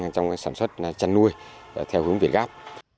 trong sản xuất chăn nuôi theo hướng việt gáp